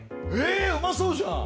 えうまそうじゃん！